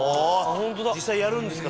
実際やるんですか？